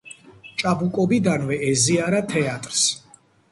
ჭაბუკობიდანვე ეზიარა თეატრს.